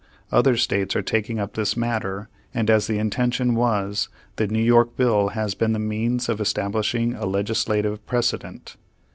Other States are taking up this matter, and, as the intention was, the New York bill has been the means of establishing a legislative precedent.